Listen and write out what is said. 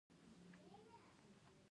طرزالعمل یو تخنیکي او اداري سند دی.